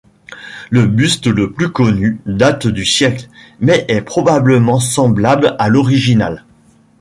Le buste le plus connu date du siècle, mais est probablement semblable à l'original.